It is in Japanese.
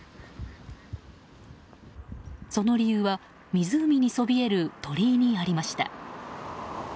その理由は湖にそびえる鳥居にありました。